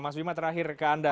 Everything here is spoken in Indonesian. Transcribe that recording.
mas bima terakhir ke anda